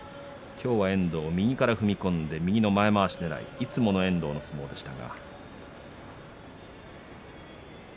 きょうは遠藤右から踏み込んで右の前まわしねらい、いつもの遠藤の相撲でした。